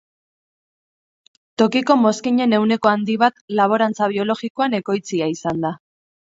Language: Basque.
Tokiko mozkinen ehuneko handi bat laborantza biologikoan ekoitzia izan da.